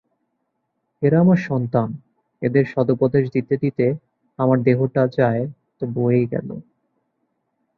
এরা আমার সন্তান, এদের সদুপদেশ দিতে দিতে আমার দেহটা যায় তো বয়ে গেল।